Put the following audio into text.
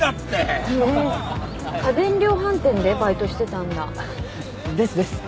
家電量販店でバイトしてたんだ。ですです。